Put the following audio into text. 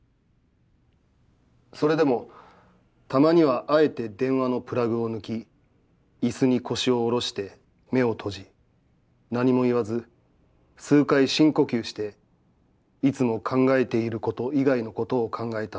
それでも、たまにはあえて電話のプラグを抜き、椅子に腰をおろして、目を閉じ、何も言わず、数回深呼吸して、いつも考えていること以外のことを考えた方がいい。